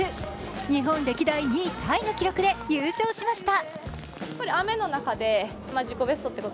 日本歴代２位タイの記録で優勝しました。